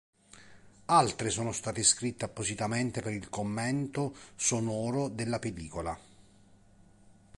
Altre sono state scritte appositamente per il commento sonoro della pellicola.